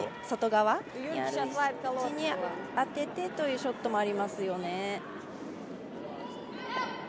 外側にある石に当ててというショットもありますよね。